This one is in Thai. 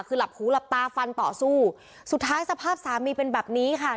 คือหลับหูหลับตาฟันต่อสู้สุดท้ายสภาพสามีเป็นแบบนี้ค่ะ